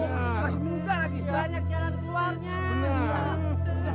masih muka lagi banyak jalan keluar